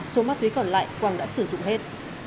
số ma túy còn lại quang đã sử dụng hết